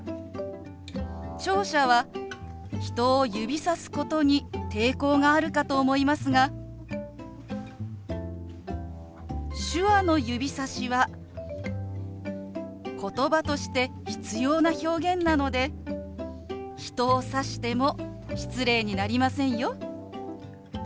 聴者は人を指さすことに抵抗があるかと思いますが手話の指さしはことばとして必要な表現なので人を指しても失礼になりませんよ。